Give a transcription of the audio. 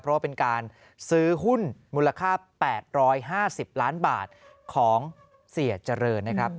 เพราะว่าเป็นการซื้อหุ้นมูลค่า๘๕๐ล้านบาทของเสียเจริญนะครับ